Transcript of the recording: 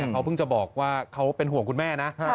เขาเพิ่งจะบอกว่าเขาเป็นห่วงคุณแม่นะ